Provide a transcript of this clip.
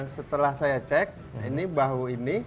setelah saya cek ini bahu ini